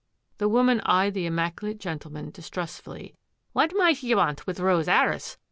The woman eyed the immaculate gentleman dis trustfully. " What might ye want with Rose 'Arris